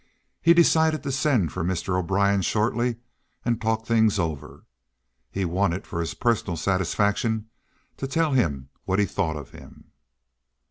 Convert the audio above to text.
He decided to send for Mr. O'Brien shortly and talk things over. He wanted for his personal satisfaction to tell him what he thought of him.